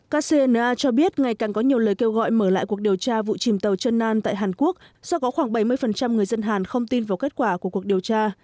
kcna cho biết ngày càng có nhiều lời kêu gọi mở lại cuộc điều tra vụ chìm tàu trần nan tại hàn quốc do có khoảng bảy mươi người dân hàn không tin vào kết quả của cuộc điều tra